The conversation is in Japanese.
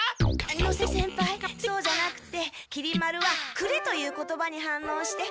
能勢先輩そうじゃなくてきり丸は「くれ」という言葉に反応して。